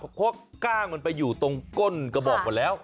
เพราะกล้างมันไปอยู่ตรงก้นกระบอกหมดแล้ว